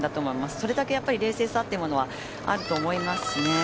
それだけ冷静さというのはあると思いますしね。